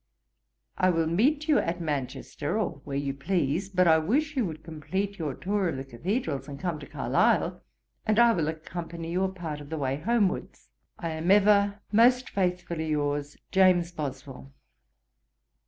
I will meet you at Manchester, or where you please; but I wish you would complete your tour of the cathedrals, and come to Carlisle, and I will accompany you a part of the way homewards. 'I am ever, 'Most faithfully yours, 'JAMES BOSWELL.'